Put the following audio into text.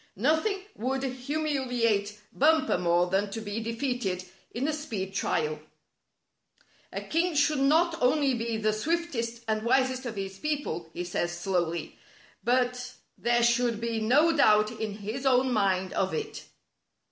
Nothing would humiliate Bumper more than to be defeated in a speed trial. "A king should not only be the swiftest and wisest of his people," he said slowly, " but there should be no doubt in his own mind of it."